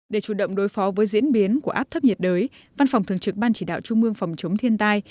để chủ động đối phó với diễn biến của áp thấp nhiệt đới văn phòng thường trực ban chỉ đạo trung mương phòng chống thiên tai